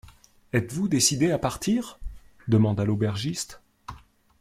Êtes-vous décidé à partir? demanda l’aubergiste.